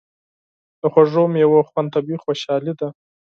د خوږو میوو خوند طبیعي خوشالي ده.